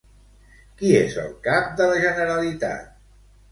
Qui és el cap de la Generalitat?